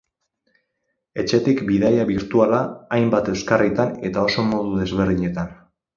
Etxetik bidaia birtuala, hainbat euskarritan eta oso modu desberdinetan.